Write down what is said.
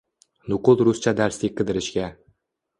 nuqul ruscha darslik qidirishga